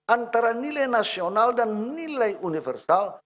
antara nilai nasional dan nilai universal